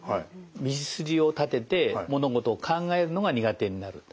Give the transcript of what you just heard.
道筋を立てて物事を考えるのが苦手になると。